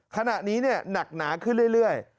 ขณะนี้หนักหนาขึ้นเรื่อย